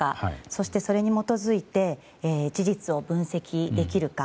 そして、それに基づいて事実を分析できるか。